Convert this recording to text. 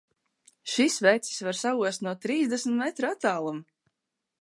Šis vecis var saost no trīsdesmit metru attāluma!